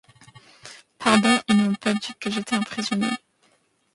Pardon : ils ne m’ont pas dit que j’étais un prisonnier.